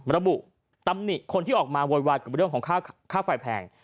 ระบุตำหนิคนที่ออกมาโวยวายกับเรื่องของค่าไฟแพง